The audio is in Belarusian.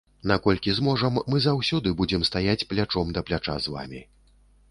Наколькі зможам, мы заўсёды будзем стаяць плячом да пляча з вамі.